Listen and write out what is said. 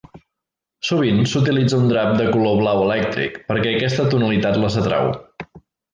Sovint s'utilitza un drap de color blau elèctric, perquè aquesta tonalitat les atrau.